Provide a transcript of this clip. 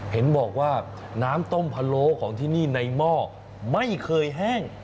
เห็นบอกว่าน้ำต้มพะโล้ของที่นี่ในหม้อไม่เคยแห้ง